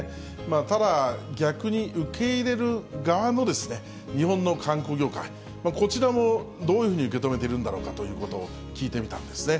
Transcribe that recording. ただ、逆に受け入れる側の日本の観光業界、こちらもどういうふうに受け止めているんだろうかということを聞いてみたんですね。